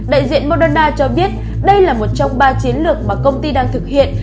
đại diện moderna cho biết đây là một trong ba chiến lược mà công ty đang thực hiện